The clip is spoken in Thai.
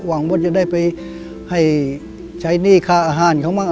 หวังว่าจะได้ไปให้ใช้หนี้ค่าอาหารเขาบ้าง